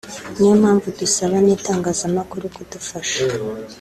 ni yo mpamvu dusaba n’ibitangazamakuru kudufasha